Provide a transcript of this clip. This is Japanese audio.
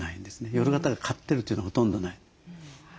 夜型が勝ってるというのはほとんどない。